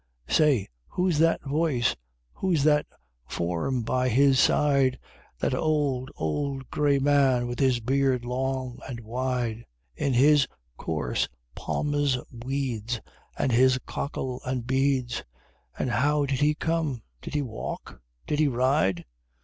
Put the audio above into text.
Say, whose that voice? whose that form by his side, That old, old, gray man, with his beard long and wide, In his coarse Palmer's weeds, And his cockle and beads? And how did he come? did he walk? did he ride?